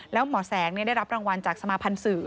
แล้วหมอแสงได้รับรางวัลจากสมาพันธ์สื่อ